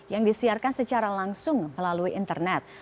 yang disiarkan secara langsung melalui internet